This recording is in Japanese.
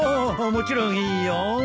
もちろんいいよ。